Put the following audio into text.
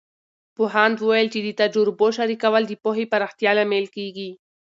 پوهاند وویل چې د تجربو شریکول د پوهې پراختیا لامل کیږي.